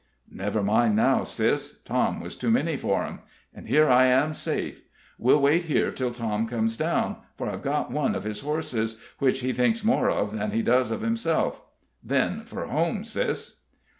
"Never mind now, sis. Tom was too many for 'em; and here I am safe. We'll wait here till Tom comes down, for I've got one of his horses, which he thinks more of than he does of himself; then for home, sis."